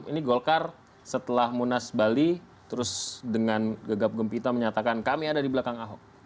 ini golkar setelah munas bali terus dengan gegap gempita menyatakan kami ada di belakang ahok